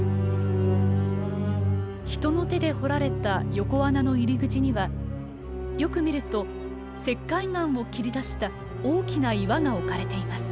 人の手で掘られた横穴の入り口にはよく見ると石灰岩を切り出した大きな岩が置かれています。